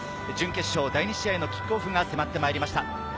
準決勝第２試合のキックオフが迫ってまいりました。